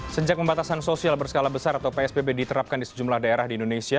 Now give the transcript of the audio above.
sejak pembatasan sosial berskala besar atau psbb diterapkan di sejumlah daerah di indonesia